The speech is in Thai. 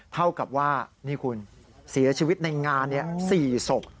เท่ากับว่านี่คุณเสียชีวิตในงาน๔ศพ